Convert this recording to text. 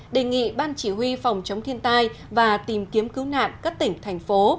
đề nghị ban chỉ huy phòng chống thiên tai và tìm kiếm cứu nạn các tỉnh thành phố